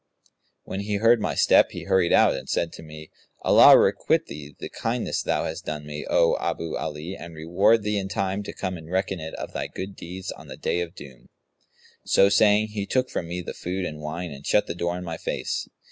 [FN#184] When he heard my step he hurried out and said to me, 'Allah requite thee the kindness thou hast done me, O Abu Ali and reward thee in time to come and reckon it of thy good deeds on the Day of Doom!' So saying, he took from me the food and wine and shut the door in my face.